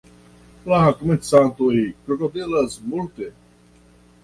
La komencantoj krokodilas multe.